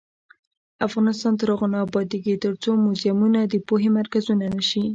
افغانستان تر هغو نه ابادیږي، ترڅو موزیمونه د پوهې مرکزونه نشي.